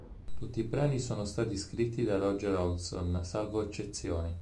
Tutti i brani sono stati scritti da Roger Hodgson, salvo eccezioni.